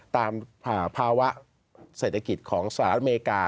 ตามภาวะเศรษฐกิจของสหรัฐอเมริกา